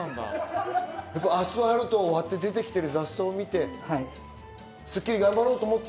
アスファルトを割って出てきてる雑草を見て、『スッキリ』頑張ろうと思った？